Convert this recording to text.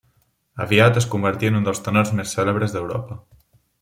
Aviat es convertí en un dels tenors més cèlebres d'Europa.